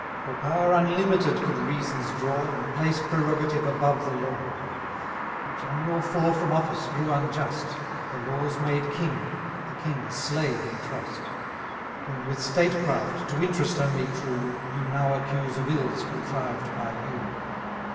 For power unlimited could reasons draw, And place prerogative above the law; Which, on your fall from office, grew unjust, The laws made king, the king a slave in trust: Whom with state craft, to interest only true, You now accuse of ills contrived by you.